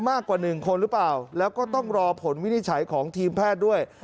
มากกว่าหนึ่งคนหรือเปล่าแล้วก็ต้องรอผลวินิจฉัยของทีมแพทย์ด้วย